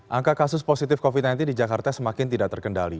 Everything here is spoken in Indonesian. angka kasus positif covid sembilan belas di jakarta semakin tidak terkendali